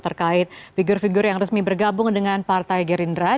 terkait figur figur yang resmi bergabung dengan partai gerindra